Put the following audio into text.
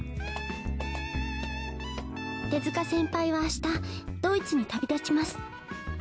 「手塚先輩は明日ドイツに旅立ちます」。